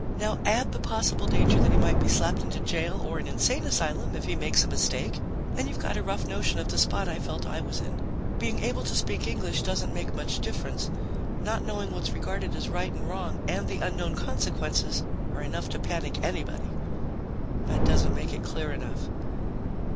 Now add the possible danger that he might be slapped into jail or an insane asylum if he makes a mistake and you've got a rough notion of the spot I felt I was in. Being able to speak English doesn't make much difference; not knowing what's regarded as right and wrong, and the unknown consequences, are enough to panic anybody. That doesn't make it clear enough.